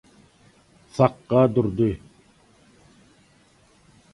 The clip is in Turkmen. sakga durdy.